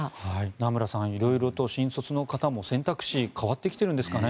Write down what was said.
名村さん、色々と新卒の方も選択肢変わってきているんですかね。